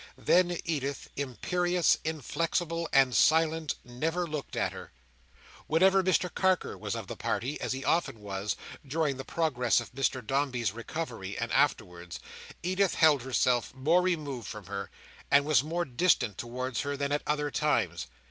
Then Edith, imperious, inflexible, and silent, never looked at her. Whenever Mr Carker was of the party, as he often was, during the progress of Mr Dombey's recovery, and afterwards, Edith held herself more removed from her, and was more distant towards her, than at other times.